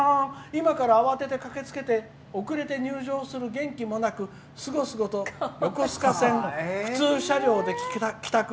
今から慌てて駆けつけて遅れて入場する元気もなくすごすごと横須賀線普通車両で帰宅。